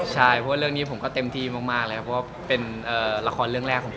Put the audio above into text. ลากเป็นฉันเป็นละครเลย